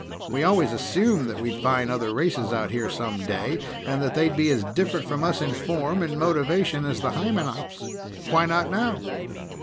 We always assumed that we'd find other races out here someday, and that they'd be as different from us in form and motivation as the Hymenops. Why not now?"